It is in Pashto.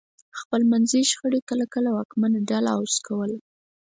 خپلمنځي شخړې کله کله واکمنه ډله عوض کوله